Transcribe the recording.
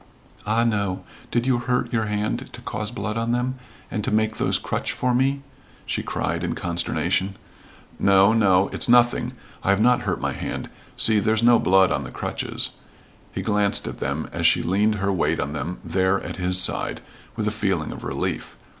"Ah, no. Did you hurt your hand to cause blood on them, and to make those crutch for me?" she cried in consternation. "No, no. It's nothing. I have not hurt my hand. See, there's no blood on the crutches." He glanced at them as she leaned her weight on them there at his side, with a feeling of relief.